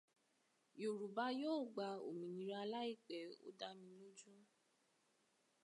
Yorùbá yóò gba òmìnira láìpẹ́, ó dá mi lójú.